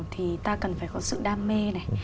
thì ta cần phải có sự đam mê này